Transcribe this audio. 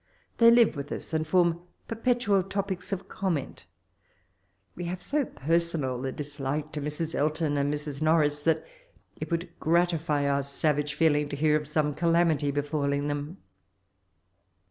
They live with us, and form perpetual topics of comment We have so personal a dislike to Hrs. Elton and Mr& Norris, that it would gratify our savage feeling to hear of some calamity befalling them.